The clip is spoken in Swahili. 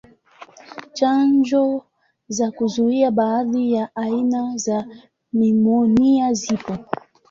Chanjo za kuzuia baadhi ya aina za nimonia zipo.